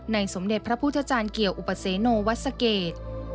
ในสมเด็จพระพู่ชาจานเกียวอุปเซโนวัตรสเกร็จ